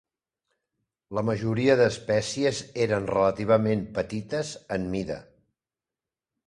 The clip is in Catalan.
La majoria d'espècies eren relativament petites en mida.